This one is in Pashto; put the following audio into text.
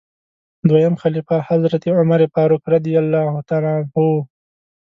دویم خلیفه حضرت عمر فاروق رض و.